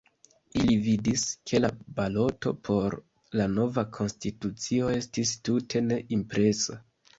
Ili vidis, ke la baloto por la nova konstitucio estis tute ne impresa.